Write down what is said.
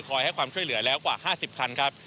ให้ความช่วยเหลือแล้วกว่า๕๐คันครับ